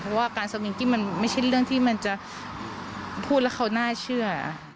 เพราะว่าการสมิงกี้มันไม่ใช่เรื่องที่มันจะพูดแล้วเขาน่าเชื่อ